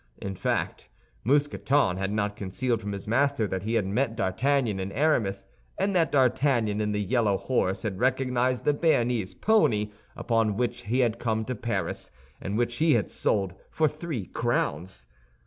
In fact, Mousqueton had not concealed from his master that he had met D'Artagnan and Aramis, and that D'Artagnan in the yellow horse had recognized the Béarnese pony upon which he had come to Paris, and which he had sold for three crowns.